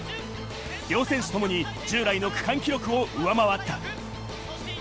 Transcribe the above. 両選手ともに従来の区間記録を上回った。